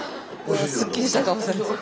すっきりした顔されてる。